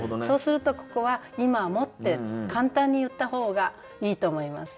そうするとここは「今も」って簡単に言った方がいいと思います。